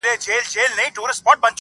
o سـتـــا خــبــــــري دي.